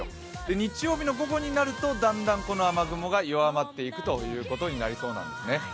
日曜日の午後になるとだんだんこの雨雲が弱まっていくことになりそうなんですね。